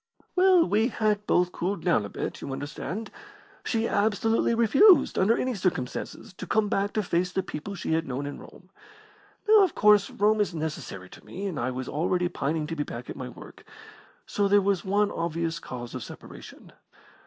"Well, we had both cooled down a bit, you understand. She absolutely refused, under any circumstances, to come back to face the people she had known in Rome. Now, of course, Rome is necessary to me, and I was already pining to be back at my work so there was one obvious cause of separation.